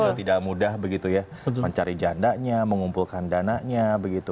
dan juga tidak mudah begitu ya mencari jandanya mengumpulkan dananya begitu